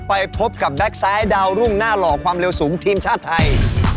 ไปพบกับแก๊กซ้ายดาวรุ่งหน้าหล่อความเร็วสูงทีมชาติไทย